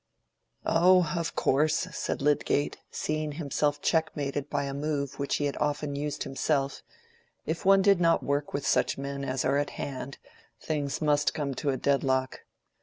"Oh, of course," said Lydgate, seeing himself checkmated by a move which he had often used himself, "if one did not work with such men as are at hand, things must come to a dead lock.